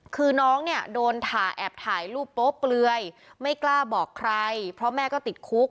คือน้องเนี่ยโดนถ่าแอบถ่ายรูปโป๊ะเปลือยไม่กล้าบอกใครเพราะแม่ก็ติดคุก